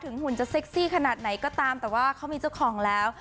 หุ่นจะเซ็กซี่ขนาดไหนก็ตามแต่ว่าเขามีเจ้าของแล้ว